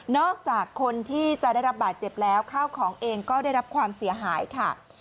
อกจากคนที่จะได้รับบาดเจ็บแล้วข้าวของเองก็ได้รับความเสียหายค่ะ